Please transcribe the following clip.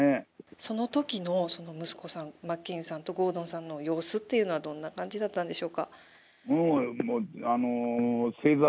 そのときの息子さん、真剣佑さんと郷敦さんの様子っていうのは、どんな感じだったんでしょうか。